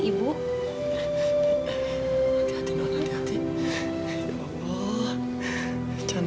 gak punya nangguran andah pierwszy dan